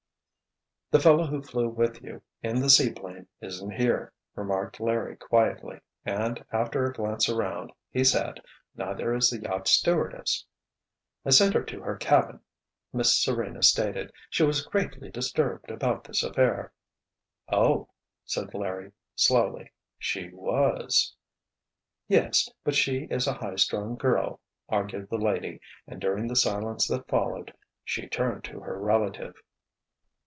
"The fellow who flew with you in the seaplane isn't here," remarked Larry, quietly, and, after a glance around, he said: "Neither is the yacht stewardess." "I sent her to her cabin," Miss Serena stated. "She was greatly disturbed about this affair." "Oh!" said Larry, slowly, "she was?" "Yes, but she is a high strung girl," argued the lady; and during the silence that followed, she turned to her relative.